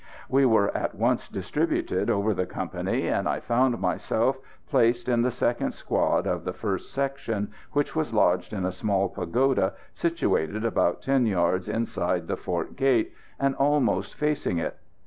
We were at once distributed over the company, and I found myself placed in the second squad of the first section, which was lodged in a small pagoda, situated about 10 yards inside the fort gate, and almost facing it.